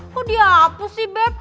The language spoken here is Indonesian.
kok dihapus sih beb